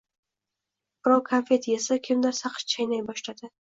Birov konfet esa, kimdir saqich chaynay boshladi